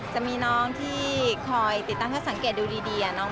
จะมีน้องที่คอยติดตั้งถ้าสังเกตดูดี